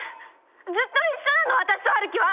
ずっと一緒なの私とハルキは！